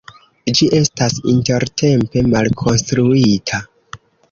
Ĝi estas intertempe malkonstruita.